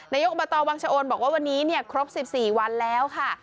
นายกอบตวังชะโอนบอกว่าวันนี้ครบ๑๔วันแล้วค่ะ